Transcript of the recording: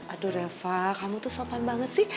aduh reva kamu tuh sopan banget sih